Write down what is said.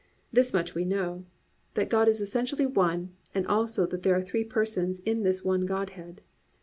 This much we know, that God is essentially one, and also that there are three Persons in this one Godhead.